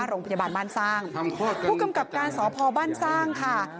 โรงพยาบาลบ้านสร้างผู้กำกับการสพบ้านสร้างค่ะ